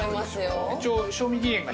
一応。